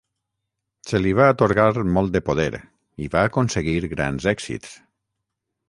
Se li va atorgar molt de poder, i va aconseguir grans èxits.